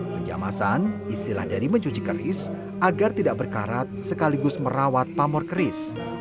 penjamasan istilah dari mencuci keris agar tidak berkarat sekaligus merawat pamor keris